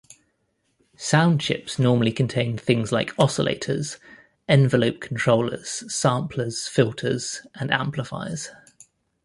Sound chips normally contain things like oscillators, envelope controllers, samplers, filters and amplifiers.